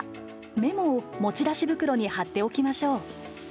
メモを持ち出し袋に貼っておきましょう。